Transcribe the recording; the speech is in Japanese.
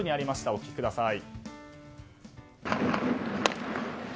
お聞きください。